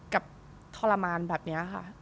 ทรมานแบบนี้ค่ะ